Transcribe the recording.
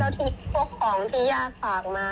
แล้วที่พวกของที่ญาติฝากมา